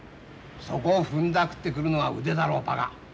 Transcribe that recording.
そこをふんだくってくるのが腕だろばか。